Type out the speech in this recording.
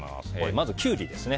まずキュウリですね。